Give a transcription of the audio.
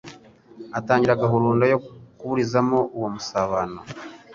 Atangira gahuruda yo kuburizamo uwo musabano.